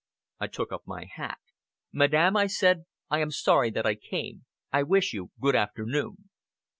I took up my hat. "Madame," I said, "I am sorry that I came. I wish you good afternoon!"